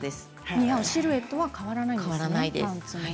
似合うシルエットは変わらないんですね。